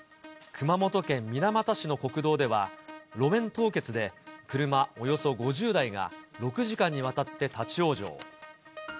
熊本県水俣市の国道では、路面凍結で車およそ５０台が６時間にわたって立往生。